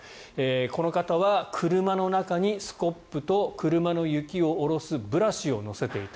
この方は車の中にスコップと車の雪を下ろすブラシを置いていた。